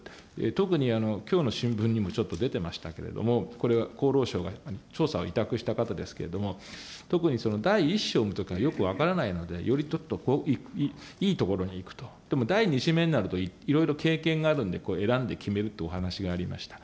特にきょうの新聞にもちょっと出てましたけども、これ、厚労省が調査を委託した方ですけれども、特に第１子を産むときとかよく分からないので、よりちょっといいところにいくと、でも第２子目になるといろいろ経験があるんで、これ選んで決めるというお話がありました。